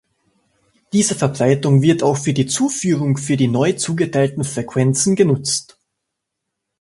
Diese Verbreitung wird auch für die Zuführung für die neu zugeteilten Frequenzen genutzt.